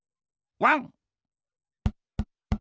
ワン！